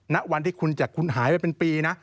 นักวันที่คุณหายเป็นปีนะ